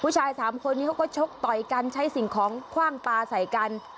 ใช้สิ่งของคว่างปลาใส่กัน